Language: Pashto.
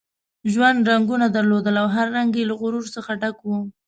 ژوند رنګونه درلودل او هر رنګ یې له غرور څخه ډک وو.